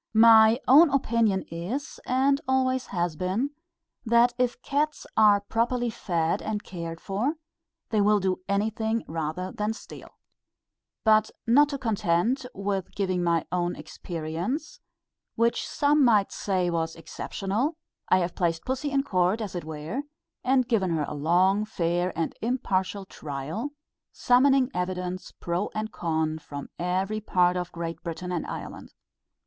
My own opinion is, and always has been, that if cats are properly fed and cared for, they will do anything rather than steal. But not content with giving my own experience, which some might say was exceptional, I have placed pussy in court, as it were, and given her a long, fair, and impartial trial, summoning evidence pro and con from every part of Great Britain and Ireland.